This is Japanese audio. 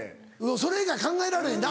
それ以外考えられへんな。